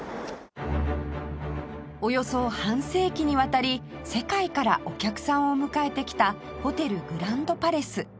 およそ半世紀にわたり世界からお客さんを迎えてきたホテルグランドパレス